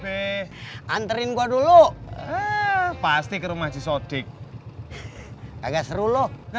p utilizz lu anggap ini untuk ffas ruledi